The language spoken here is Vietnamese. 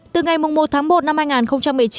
từ ngày một tháng một năm hai nghìn một mươi chín